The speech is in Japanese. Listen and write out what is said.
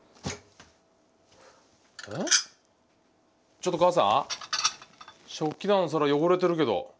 ちょっと母さん食器棚の皿汚れてるけど。